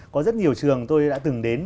có rất nhiều trường tôi đã từng đến